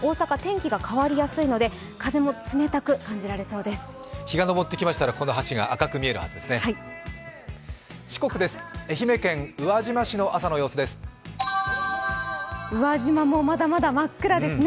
日が上ってきましたら、この橋が赤く見えるようですね。